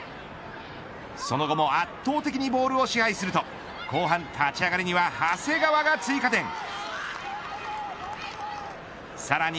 その後も圧倒的にボールを支配すると後半、立ち上がりには長谷川が追加点。